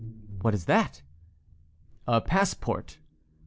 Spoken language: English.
"What is that?" "A passport."